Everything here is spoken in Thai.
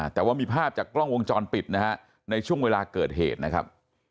แต่ว่ามีภาพจากกล้องวงจรปิดนะฮะในช่วงเวลาเกิดเหตุนะครับ